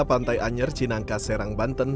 pantai anyer cinangka serang banten